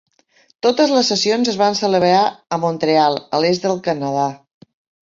Totes les sessions es van celebrar a Montreal, a l'est del Canadà.